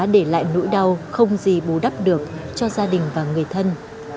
để lại nỗi đau không gì bù đắp được cho gia đình và người thân